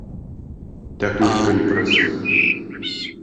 Так ніхто не працуе.